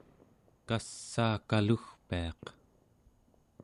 kassaakalugpiaq